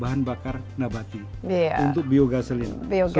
bahan bakar nabati untuk biogaselin